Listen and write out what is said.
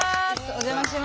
お邪魔します。